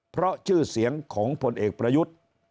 เพราะชื่อเสียงของผลเอกประยุทธ์